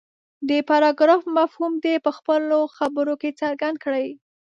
د پراګراف مفهوم دې په خپلو خبرو کې څرګند کړي.